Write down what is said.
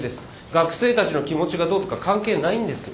学生たちの気持ちがどうとか関係ないんですよ。